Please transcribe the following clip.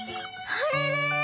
あれれ？